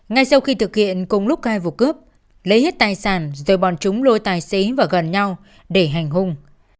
ngay sau khi thực hiện cùng lúc hai vụ cướp lấy hết tài sản rồi bọn chúng lôi tài xế và gần nhau để hành hung